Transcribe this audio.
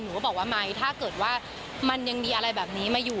ก็บอกว่าไหมถ้าเกิดว่ามันยังมีอะไรแบบนี้มาอยู่